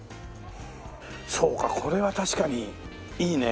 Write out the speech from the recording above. そうかこれは確かにいいね。